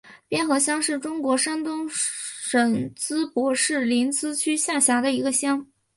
边河乡是中国山东省淄博市临淄区下辖的一个乡。